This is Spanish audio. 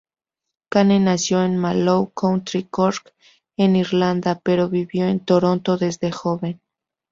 Kane nació en Mallow, County Cork en Irlanda, pero vivió en Toronto desde joven.